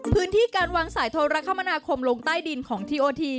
พื้นที่การวางสายโทรคมนาคมลงใต้ดินของทีโอที